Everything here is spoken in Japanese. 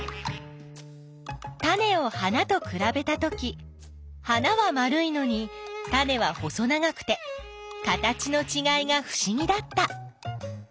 タネを花とくらべたとき花は丸いのにタネは細長くて形のちがいがふしぎだった。